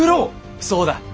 そうだ。